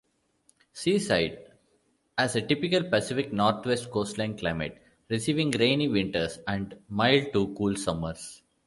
Seaside has a typical Pacific Northwest coastal climate, receiving rainy winters and mild-to-cool summers.